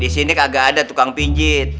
di sini kagak ada tukang pijit